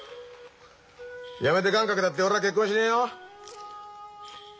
やめて願かけたって俺は結婚しねえよ。